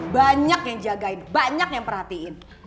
banyak yang jagain banyak yang perhatiin